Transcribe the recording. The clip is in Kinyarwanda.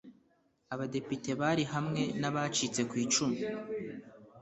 Abadepite bari hamwe n ‘abacitse ku icumu.